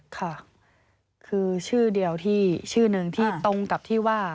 ค่ะคือชื่อเดียวที่ชื่อหนึ่งที่ตรงกับที่ว่า